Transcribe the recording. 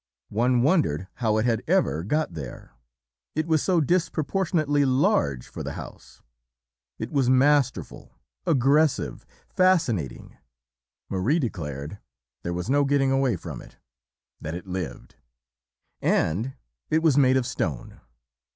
One wondered how it had ever got there, it was so disproportionately large for the house. It was masterful, aggressive, FASCINATING (Marie declared 'there was no getting away from it that it LIVED') and it was made of STONE.